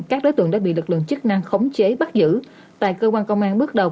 các đối tượng đã bị lực lượng chức năng khống chế bắt giữ tại cơ quan công an bước đầu